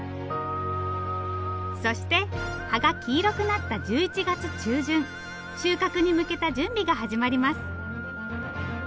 そして葉が黄色くなった１１月中旬収穫に向けた準備が始まります。